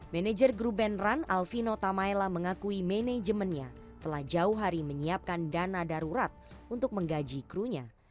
manager grup band run alvino tamaela mengakui manajemennya telah jauh hari menyiapkan dana darurat untuk menggaji krunya